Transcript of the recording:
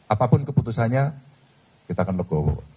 apapun keputusannya kita akan legowo